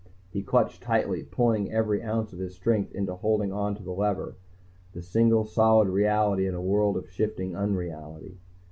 He clutched tightly, putting every ounce of his strength into holding on to the lever, the single solid reality in a world of shifting unreality.